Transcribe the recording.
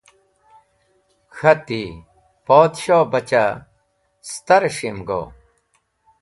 K̃hati [Podshohbachah]: “Stares̃h yem go?”